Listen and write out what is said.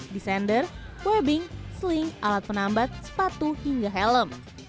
descender webbing sling alat penambat sepatu hingga helm